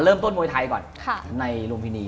เริ่มต้นมวยไทยก่อนในรุมพินี